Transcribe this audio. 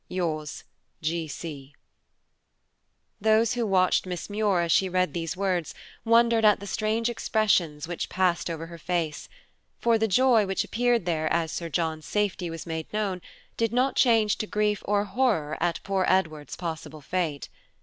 Yours, G.C. Those who watched Miss Muir as she read these words wondered at the strange expressions which passed over her face, for the joy which appeared there as Sir John's safety was made known did not change to grief or horror at poor Edward's possible fate.